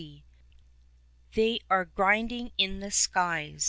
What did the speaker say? r I '^HEY are grinding in the skies.